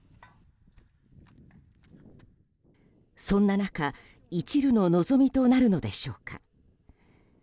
そんな中、いちるの望みとなるのでしょうか。